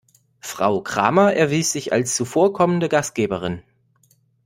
Frau Kramer erwies sich als zuvorkommende Gastgeberin.